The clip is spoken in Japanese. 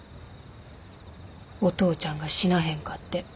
お父ちゃんが死なへんかって。